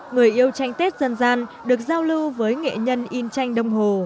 người yêu tranh tết dân gian được giao lưu với nghệ nhân in tranh đông hồ